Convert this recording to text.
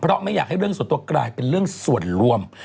เพราะไม่อยากให้เรื่องส่วนตัวกลายเป็นเรื่องส่วนรวม